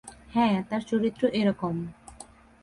হ্যাঁ, তার চরিত্র এরকম।